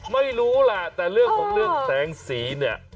ไม่รู้แหละแต่เรื่องของเรื่องแสงสีเนี่ย